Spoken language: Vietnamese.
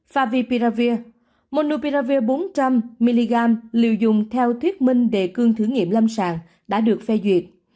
favipiravir monopiravir bốn trăm linh mg lưu dùng theo thuyết minh đề cương thử nghiệm lâm sàng đã được phê duyệt